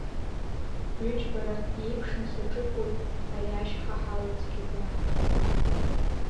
Ҩы-џьбарак иеиԥшны саҿыхәоит ари ашьха ҳауа цқьаӡа.